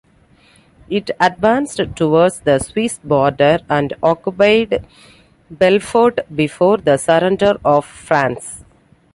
It advanced towards the Swiss border and occupied Belfort before the surrender of France.